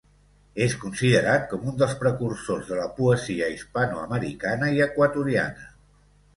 És considerat com un dels precursors de la poesia hispanoamericana i equatoriana.